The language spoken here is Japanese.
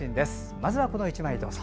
まずはこの１枚、どうぞ。